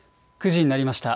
９時になりました。